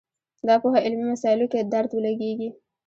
دا پوهه علمي مسایلو کې درد ولګېږي